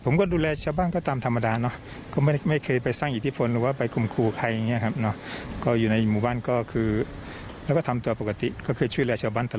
ไม่ว่าใครทำผิดมันก็ต้องรับผิดเหมือนกัน